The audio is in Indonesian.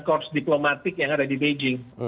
kursus diplomatik yang ada di beijing